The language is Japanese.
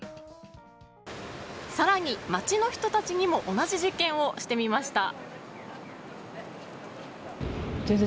更に、街の人たちにも同じ実験をしてみました。